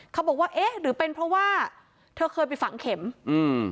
เขาบอกว่าเอ๊ะหรือเป็นเพราะว่าเธอเคยไปฝังเข็มอืม